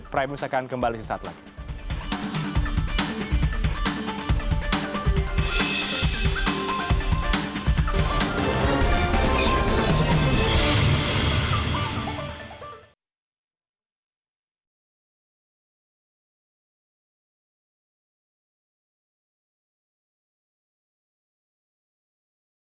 prime news akan kembali sesaat lagi